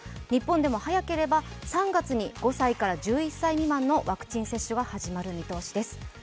日本でも早ければ３月に５歳から１１歳未満のワクチン接種が始まる見通しです。